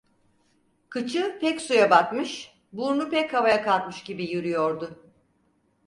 Kıçı pek suya batmış, burnu pek havaya kalkmış gibi yürüyordu.